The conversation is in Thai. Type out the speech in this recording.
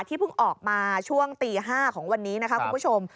เพิ่งออกมาช่วงตี๕ของวันนี้นะคะคุณผู้ชม